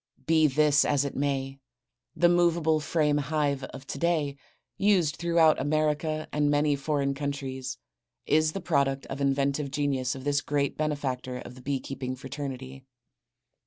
Be this as it may, the movable frame hive of today, used throughout America and many foreign countries, is the product of the inventive genius of this great benefactor of the bee keeping fraternity.